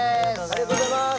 ありがとうございます！